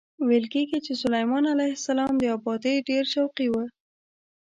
ویل کېږي چې سلیمان علیه السلام د ابادۍ ډېر شوقي و.